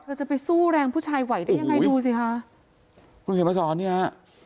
จะไปสู้แรงผู้ชายไหวได้ยังไงดูสิคะคุณเขียนมาสอนเนี่ยฮะ